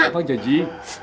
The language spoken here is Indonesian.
bangun aja dik